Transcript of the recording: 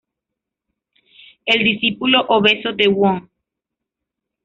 El discípulo obeso de Wong.